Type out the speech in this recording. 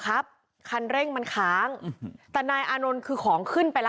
อะไรยังไง